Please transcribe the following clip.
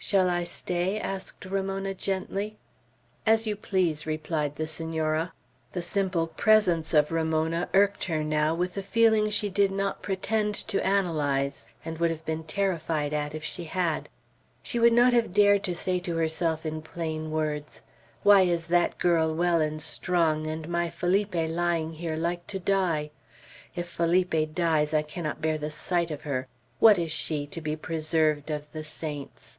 "Shall I stay?" asked Ramona, gently. "As you please," replied the Senora. The simple presence of Ramona irked her now with a feeling she did not pretend to analyze, and would have been terrified at if she had. She would not have dared to say to herself, in plain words: "Why is that girl well and strong, and my Felipe lying here like to die! If Felipe dies, I cannot bear the sight of her. What is she, to be preserved of the saints!"